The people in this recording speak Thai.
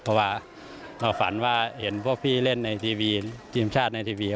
เพราะว่าเราฝันว่าเห็นพวกพี่เล่นในทีวีทีมชาติในทีวี